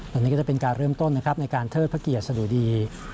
วันนี้ก็จะเป็นการเริ่มต้นนะครับในการเทิดพระเกียรติสะดุดี